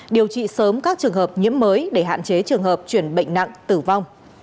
điều trị sớm các trường hợp nhiễm mới để hạn chế trường hợp chuyển bệnh nặng tử vong